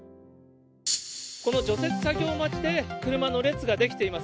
この除雪作業待ちで車の列が出来ています。